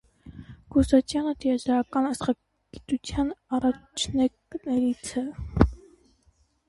Գուրզադյանը տիեզերական աստղագիտության առաջնեկներից է։